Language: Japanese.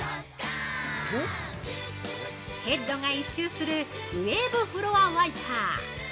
ヘッドが１周するウェーブフロアワイパー